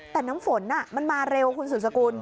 แต่น้ำฝนมันมาเร็วคุณสุดสกุล